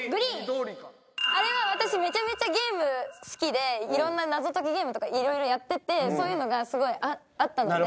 あれは私めちゃめちゃゲーム好きでいろんな謎解きゲームとかいろいろやっててそういうのがすごいあったので。